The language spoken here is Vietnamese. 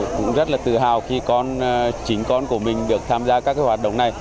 cũng rất là tự hào khi chính con của mình được tham gia các hoạt động này